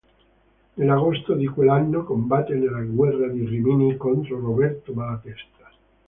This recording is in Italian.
Nell'agosto di quell'anno combatté nella guerra di Rimini contro Roberto Malatesta.